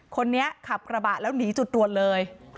คนนี้ขับกระบะแล้วหนีจุดตรวจเลย